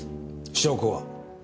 証拠は？